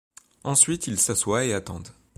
Ensuite ils s'assoient et attendent.